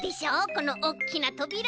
このおっきなとびら。